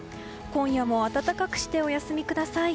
今夜も暖かくしてお休みください。